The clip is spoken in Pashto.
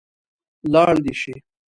لاړ دې شي.